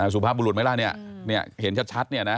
สุภาพบุรุษไหมล่ะเนี่ยเห็นชัดเนี่ยนะ